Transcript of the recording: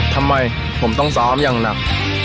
ทำไมผมต้องซ้อมอย่างหนัก